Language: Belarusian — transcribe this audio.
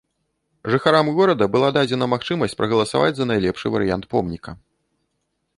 Жыхарам горада была дадзена магчымасць прагаласаваць за найлепшы варыянт помніка.